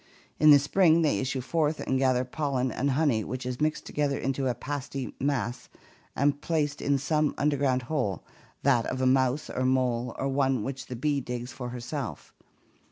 In the spring they issue forth and gather pollen and honey which is mixed together into a pasty mass and placed in some under ground hole, that of a mouse or mole or one which the bee digs for herself.